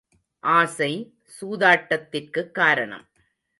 ஆசை, சூதாட்டத்திற்குக் காரணம்.